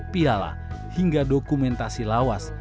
piala hingga dokumentasi lawas